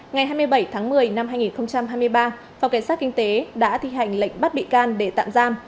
ngày hai mươi bảy tháng một mươi năm hai nghìn hai mươi ba phòng cảnh sát kinh tế đã thi hành lệnh bắt bị can để tạm giam